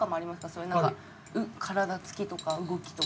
そういうなんか体付きとか動きとかで。